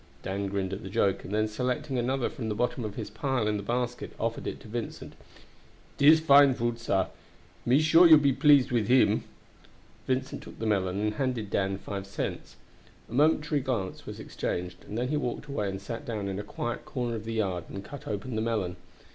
Dan grinned at the joke, and then selecting another from the bottom of his pile in the basket, offered it to Vincent. "Dis fine fruit, sah. Me sure you please with him!" Vincent took the melon and handed Dan five cents. A momentary glance was exchanged, and then he walked away and sat down in a quiet corner of the yard and cut open the melon.